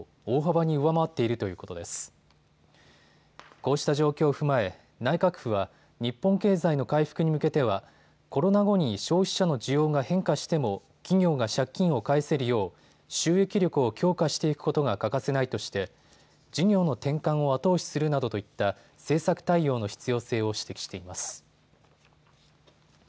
こうした状況を踏まえ内閣府は日本経済の回復に向けてはコロナ後に消費者の需要が変化しても企業が借金を返せるよう収益力を強化していくことが欠かせないとして事業の転換を後押しするなどといった政策対応の必要性を指摘しています。